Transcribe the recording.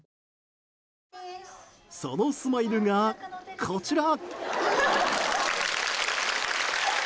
そのスマイルがこちら。